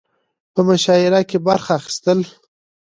په مشاعره کې برخه اخستل